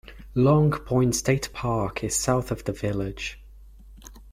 Long Point State Park is south of the village.